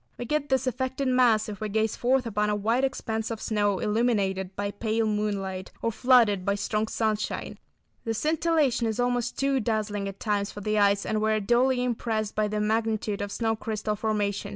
We get this effect in mass, if we gaze forth upon a wide expanse of snow illuminated by pale moonlight, or flooded by strong sunshine. The scintillation is almost too dazzling at times for the eyes, and we are duly impressed by the magnitude of snow crystal formation.